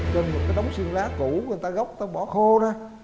trên một cái đống xương lá cũ người ta gốc người ta bỏ khô đó